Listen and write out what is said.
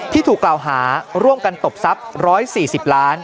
ถูกกล่าวหาร่วมกันตบทรัพย์๑๔๐ล้าน